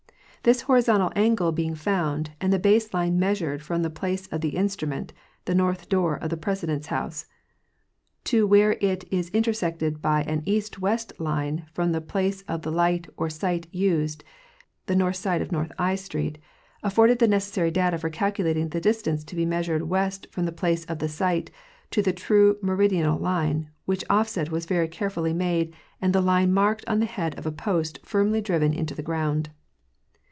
This horizontal angle being found, and the base line measured from the place of the instrument (the north door of the President's house) to where it is intersected by an east and west line from the place of the light or sight used (the north side of north I street), afforded the necessary data for calculating the distance to be measured west from the place of the sight to the true meridian line, which offset was very carefully made and the line marked on the head of a post firmly driven into the ground.